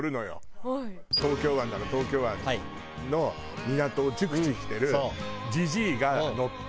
東京湾なら東京湾の港を熟知してるじじいが乗って。